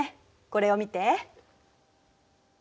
これを見て。